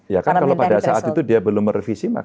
ya kan kalau pada saat itu dia belum merevisi